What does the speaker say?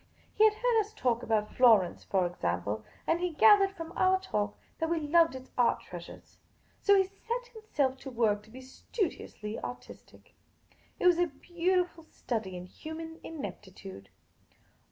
He had heard us talk about Florence, for example, and he gathered from our talk that we loved its art treasures. So he set himself to work to be studiously artistic. It was a beautiful study in human ineptitude.